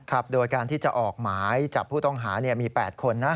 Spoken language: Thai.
โดยการที่จะออกหมายจับผู้ต้องหามี๘คนนะ